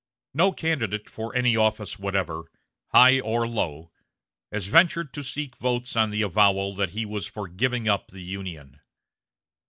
No candidate for any office whatever, high or low, has ventured to seek votes on the avowal that he was for giving up the Union.